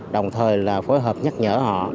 đồng thời phối hợp nhắc nhở họ